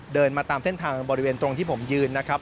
เดินมาตามเส้นทางบริเวณตรงที่ผมยืนนะครับ